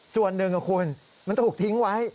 ส่วนหนึ่งคุณมันถูกทิ้งไว้